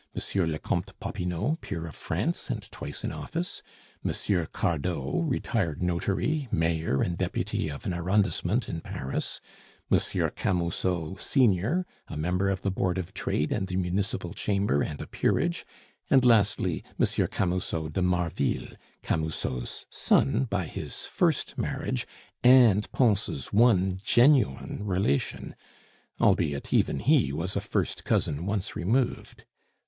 le Comte Popinot, peer of France, and twice in office; M. Cardot, retired notary, mayor and deputy of an arrondissement in Paris; M. Camusot senior, a member of the Board of Trade and the Municipal Chamber and a peerage; and lastly, M. Camusot de Marville, Camusot's son by his first marriage, and Pons' one genuine relation, albeit even he was a first cousin once removed.